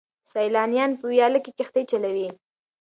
سیلانیان په ویاله کې کښتۍ چلوي.